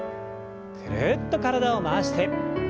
ぐるっと体を回して。